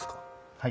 はい。